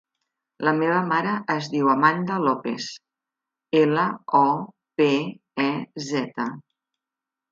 La meva mare es diu Amanda Lopez: ela, o, pe, e, zeta.